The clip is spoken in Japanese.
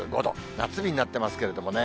夏日になってますけれどもね。